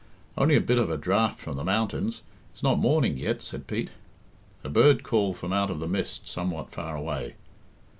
"Only a bit of a draught from the mountains it's not morning yet," said Pete. A bird called from out of the mist somewhat far away.